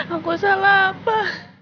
aku salah apa